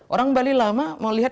orang bali lama melihat kesejahteraan